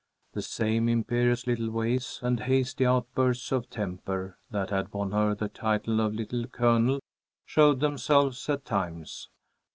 The same imperious little ways and hasty outbursts of temper that had won her the title of Little Colonel showed themselves at times.